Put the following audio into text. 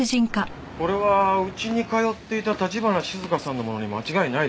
これはうちに通っていた橘静香さんのものに間違いないですよ。